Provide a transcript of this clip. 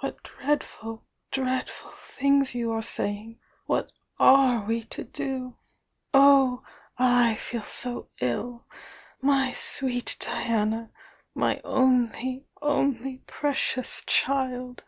"What dreadful, dreadful things you are saying! What are we to do? Oh, I feel so ill! My sweet Diana!— my only, only precious child!